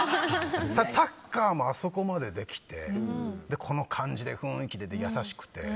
サッカーもあそこまでできてこの感じでこの雰囲気で優しくて。